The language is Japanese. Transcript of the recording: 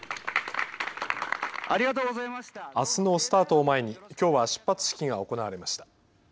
あすのスタートを前にきょうは出発式が行われました。